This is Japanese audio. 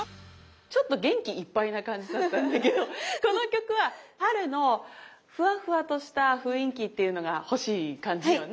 ちょっと元気いっぱいな感じだったんだけどこの曲は春のふわふわとした雰囲気っていうのが欲しい感じよね。